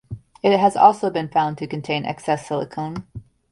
It has also been found to contain excess silicon.